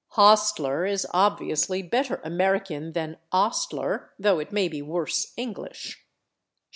/Hostler/ is obviously better American than /ostler/, though it may be worse English.